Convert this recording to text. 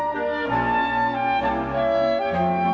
โปรดติดตามต่อไป